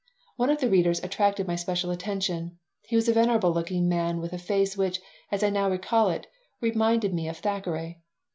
One of the readers attracted my special attention. He was a venerable looking man with a face which, as I now recall it, reminds me of Thackeray.